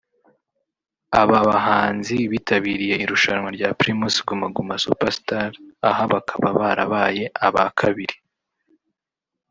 -Aba bahanzi bitabiriye irushanwa rya Primus Guma Guma Super Star aha bakaba barabaye aba kabiri